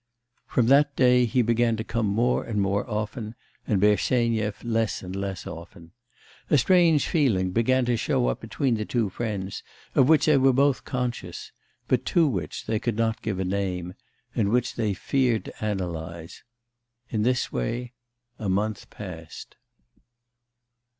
From that day he began to come more and more often, and Bersenyev less and less often. A strange feeling began to grow up between the two friends, of which they were both conscious, but to which they could not give a name, and which they feared to analyse. In this way a month passed.